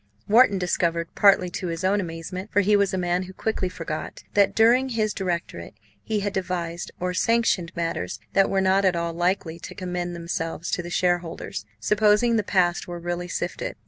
Wharton discovered, partly to his own amazement, for he was a man who quickly forgot, that during his directorate he had devised or sanctioned matters that were not at all likely to commend themselves to the shareholders, supposing the past were really sifted.